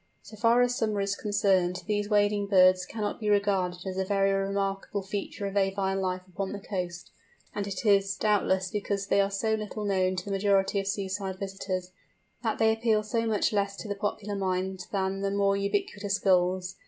So far as summer is concerned, these wading birds cannot be regarded as a very remarkable feature of avine life upon the coast; and it is, doubtless, because they are so little known to the majority of seaside visitors, that they appeal so much less to the popular mind than the more ubiquitous Gulls.